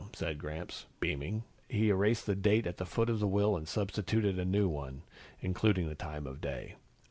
said Gramps, beaming. He erased the date at the foot of the will and substituted a new one, including the time of day.